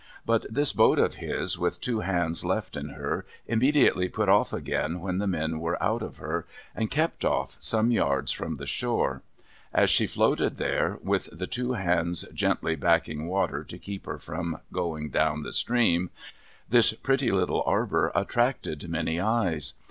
But this boat of his, with two hands left in her, immediately put oft" again when the men were out of her, and kept off, some yards from the shore. As she floated there, with the two hands gently backing water to keep her from going down the stream, this pretty little arbour attracted many eyes.